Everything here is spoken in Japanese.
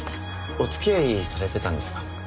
お付き合いされてたんですか？